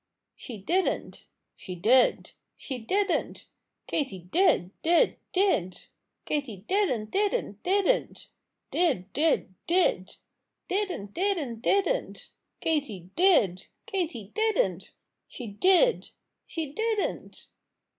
"She didn't" "She did!" "She didn't!" "Katy did, did, did!" "Katy didn't, didn't, didn't!" "Did, did, did!" "Didn't, didn't, didn't!" "Katy did!" "Katy didn't!" "She did!" "She didn't!"